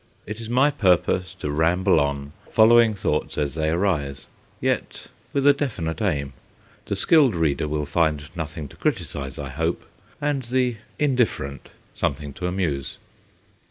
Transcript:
It is my purpose to ramble on, following thoughts as they arise, yet with a definite aim. The skilled reader will find nothing to criticize, I hope, and the indifferent, something to amuse.